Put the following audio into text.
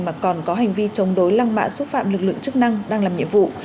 mà còn có hành vi chống đối lăng mạ xúc phạm lực lượng chức năng đang làm nhiệm vụ